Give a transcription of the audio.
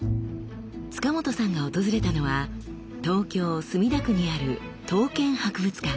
塚本さんが訪れたのは東京・墨田区にある刀剣博物館。